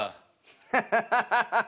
ハハハハハハハ。